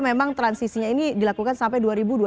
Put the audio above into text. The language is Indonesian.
memang transisinya ini dilakukan sampai